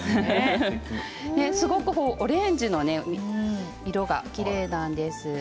すごくオレンジの色がきれいなんです。